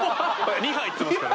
２牌ツモってますから。